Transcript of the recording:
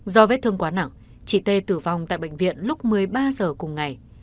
do vết thương quá nặng chị t tử vong tại bệnh viện lúc một mươi ba h cùng ngày